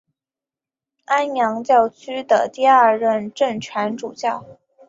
安阳教区第二任正权主教。